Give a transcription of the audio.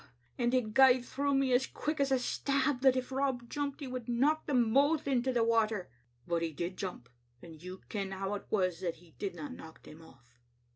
and it gae through me as quick as a stab that if Rob jumped he would knock them both into the water. But he did jump, and you ken how it was that he didna knock them off."